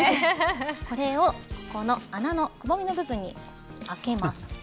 これをここの穴のくぼみの部分に開けます。